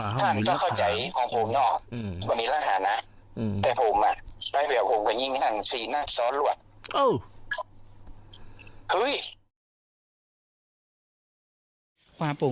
ท่านขอใจของผมนอกวะมีราชาณะอ่าเออมาเข้าว่า